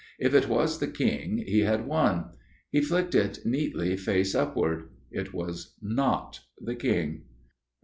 If it was the King, he had won. He flicked it neatly face upward. It was not the King.